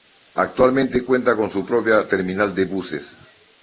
Actualmente cuenta con su propia Terminal de Buses.